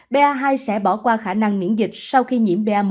ba hai sẽ bỏ qua khả năng miễn dịch sau khi nhiễm pa một